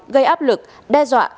gây áp lực đe dọa